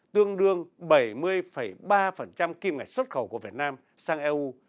tương đương bảy mươi ba kim ngạch xuất khẩu của việt nam sang eu